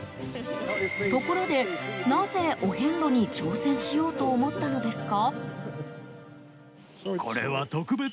ところで、なぜお遍路に挑戦しようと思ったのですか？